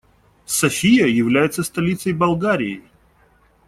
София является столицей Болгарии.